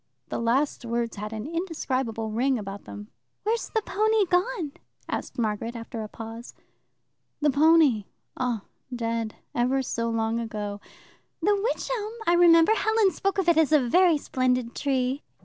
The last words had an indescribable ring about them. "Where's the pony gone?" asked Margaret after a pause. "The pony? Oh, dead, ever so long ago." "The wych elm I remember. Helen spoke of it as a very splendid tree."